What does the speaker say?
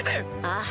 ああ。